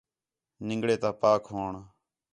نِنگڑے تا پاک ہووݨ